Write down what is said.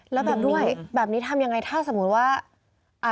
แล้วแบบนี้แบบนี้ทำอย่างไรถ้าสมมุติว่า